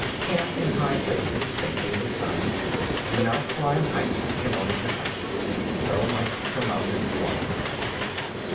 2. Camp in high places, facing the sun. Do not climb heights in order to fight. So much for mountain warfare.